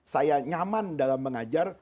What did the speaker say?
saya nyaman dalam mengajar